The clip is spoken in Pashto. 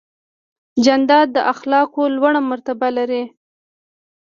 جانداد د اخلاقو لوړه مرتبه لري.